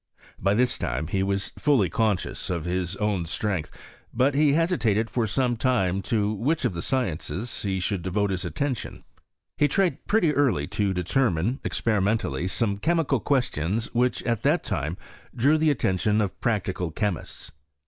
By this time he was become fully conscious of hia own strength ; but he hesitated for some time to which of the scieaees he should devote his attention. He tried pretty early to determine, experimentally, some chemical questions which at that time drew the at tention of practical chemists.